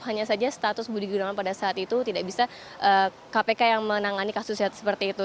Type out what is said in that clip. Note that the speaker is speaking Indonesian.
hanya saja status budi gunawan pada saat itu tidak bisa kpk yang menangani kasusnya seperti itu